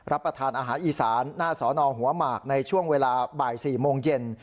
ประทานอาหารอีสานหน้าสอนอหัวหมากในช่วงเวลาบ่าย๔โมงเย็น